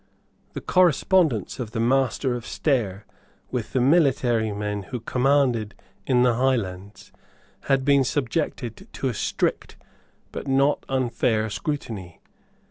The correspondence of the Master of Stair with the military men who commanded in the Highlands had been subjected to a strict but not unfair scrutiny.